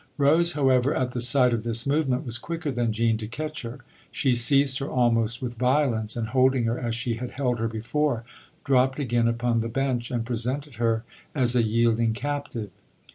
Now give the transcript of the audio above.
Rose, however, at the sight of this movement, was quicker than Jean to catch her; she seized her almost with violence, and, holding her as she had held her before, dropped again upon the bench and presented her as a yielding captive.